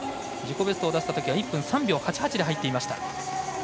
自己ベストを出したときは１分３秒８８で入っていました。